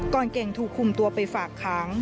เก่งถูกคุมตัวไปฝากค้าง